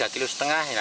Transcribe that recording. tiga kilo setengah